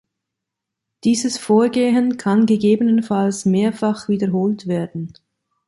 Dieses Vorgehen kann gegebenenfalls mehrfach wiederholt werden.